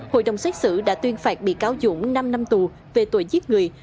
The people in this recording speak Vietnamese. hội đồng xét xử đã tuyên phạt bị cáo dũng năm năm tù về tội giết người